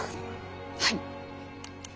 はい。